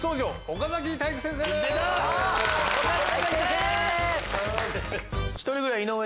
岡崎体育先生です。